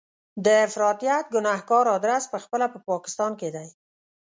د افراطیت ګنهګار ادرس په خپله په پاکستان کې دی.